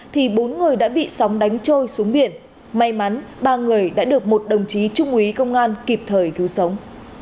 thì bốn người đã bị sóng đánh trôi xuống biển may mắn ba người đã được một đồng chí trung úy công an kịp thời cứu sống